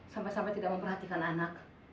sampai sampai tidak memperhatikan anak